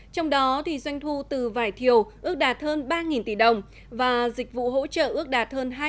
trong đó doanh thu từ vải thiều ước đạt hơn ba tỷ đồng và dịch vụ hỗ trợ ước đạt hơn hai mươi